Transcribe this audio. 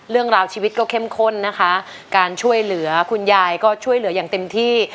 เรื่องราวชีวิตก็เข้มข้นนะคะการช่วยเหลือคุณยายก็ช่วยเหลืออย่างเต็มที่